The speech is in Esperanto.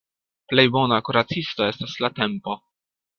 Plej bona kuracisto estas la tempo.